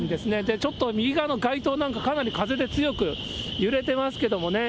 ちょっと右側の街灯なんか、かなり風で強く揺れていますけれどもね。